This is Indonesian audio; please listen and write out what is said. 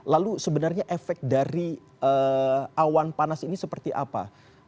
lalu sebenarnya efek dari awan panas ini seperti apa